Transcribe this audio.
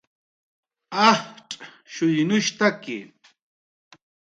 ajtz'shuynushtaki